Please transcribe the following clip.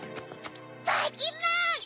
ばいきんまん！